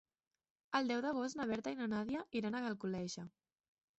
El deu d'agost na Berta i na Nàdia iran a Alcoleja.